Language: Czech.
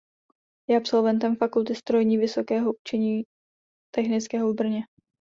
Je absolventem Fakulty strojní Vysokého učení technického v Brně.